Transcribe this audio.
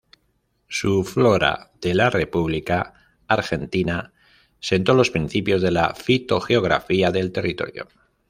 Su "Flora de la República Argentina" sentó los principios de la fitogeografía del territorio.